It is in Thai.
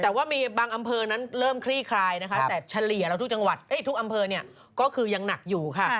แต่ว่ามีบางอำเภอนั้นเริ่มคลี่คลายนะคะแต่เฉลี่ยเราทุกอำเภอนี้ก็คือยังหนักอยู่ค่ะ